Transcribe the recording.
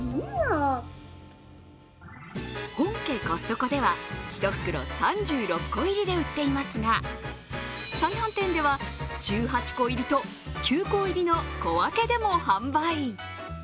本家コストコでは１袋３６個入りで売っていますが、再販店では１８個入りと９個入りの小分けでも販売。